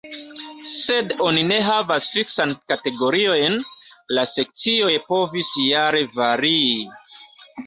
Sed oni ne havas fiksan kategoriojn; la sekcioj povis jare varii.